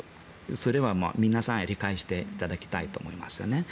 それは皆さんに理解していただきたいと思いますよね。